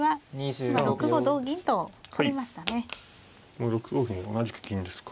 もう６五歩に同じく銀ですか。